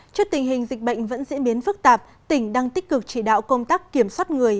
trước tình hình dịch bệnh vẫn diễn biến phức tạp tỉnh đang tích cực chỉ đạo công tác kiểm soát người